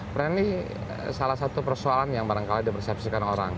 friendly salah satu persoalan yang barangkali dipersepsikan orang